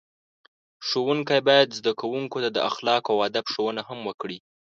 ښوونکي باید زده کوونکو ته د اخلاقو او ادب ښوونه هم وکړي.